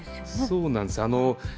そうなんです。